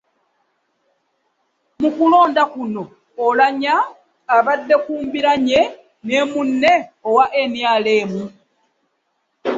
Mu kulonda kuno, Oulanya abadde ku mbiranye ne munne owa NRM